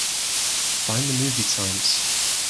Find the movie times.